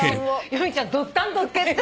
由美ちゃんドッタンドッタン。